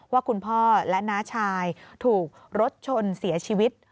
ว่าคุณพ่อและน้าชายถูกรถชนเสียชีวิต